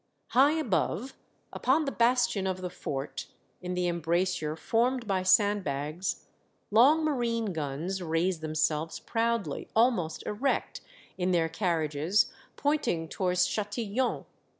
High above, upon the bastion of the fort, in the embrasure formed by sandbags, long marine guns raise themselves proudly, almost erect in their car riages, pointing towards Chatillon.